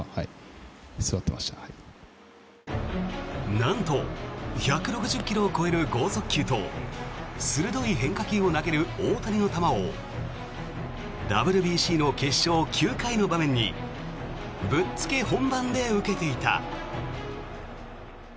なんと１６０ｋｍを超える豪速球と鋭い変化球を投げる大谷の球をＷＢＣの決勝９回の場面にぶっつけ本番で受けていた。